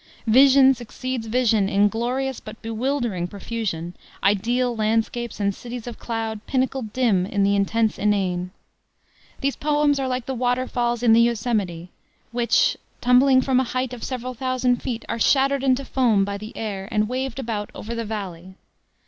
Vision succeeds vision in glorious but bewildering profusion; ideal landscapes and cities of cloud "pinnacled dim in the intense inane." These poems are like the water falls in the Yosemite, which, tumbling from a height of several thousand feet, are shattered into foam by the air, and waved about over the valley.